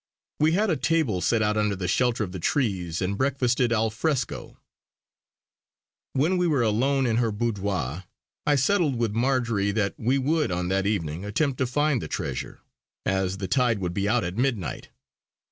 We had a table set out under the shelter of the trees and breakfasted al fresco. When we were alone in her boudoir I settled with Marjory that we would on that evening attempt to find the treasure, as the tide would be out at midnight.